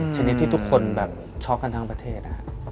ชนิดที่ทุกคนแบบช็อกกันทั้งประเทศ